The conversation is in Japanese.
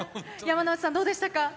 山之内さん、どうでしたか？